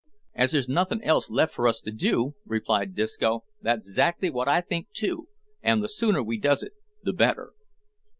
"As there's nothin' else left for us to do," replied Disco, "that's 'zactly wot I think too, an' the sooner we does it the better."